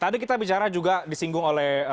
tadi kita bicara juga disinggung oleh